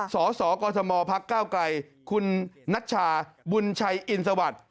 สสกมพักก้าวไกลคุณนัชชาบุญชัยอินสวัสดิ์